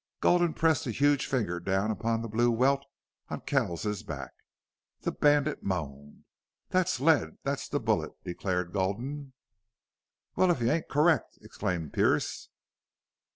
Gulden pressed a huge finger down upon the blue welt on Kells's back. The bandit moaned. "That's lead that's the bullet," declared Gulden. "Wall, if you ain't correct!" exclaimed Pearce.